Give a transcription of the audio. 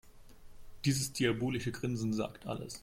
Dieses diabolische Grinsen sagt alles.